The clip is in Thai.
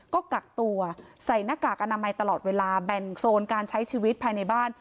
ก็กักตัวใส่หน้ากากอนามัยตลอดเวลาแบ่งโซนการใช้ชีวิตภายในบ้าน